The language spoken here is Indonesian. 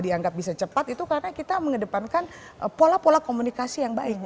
dianggap bisa cepat itu karena kita mengedepankan pola pola komunikasi yang baik